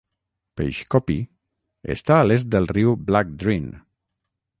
Peshkopi està a l'est del riu Black Drin.